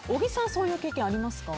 そういう経験はありますか？